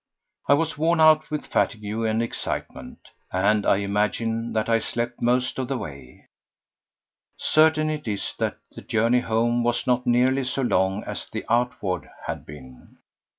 I was worn out with fatigue and excitement, and I imagine that I slept most of the way. Certain it is that the journey home was not nearly so long as the outward one had been.